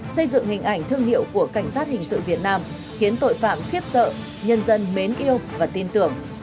xây dựng hình ảnh thương hiệu của cảnh sát hình sự việt nam khiến tội phạm khiếp sợ nhân dân mến yêu và tin tưởng